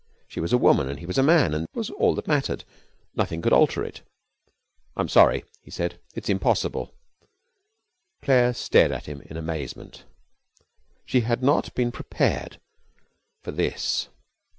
She was a woman and he was a man. That was all that mattered, and nothing could alter it. 'I'm sorry,' he said. 'It's impossible.' Claire stared at him in amazement. She had not been prepared for this.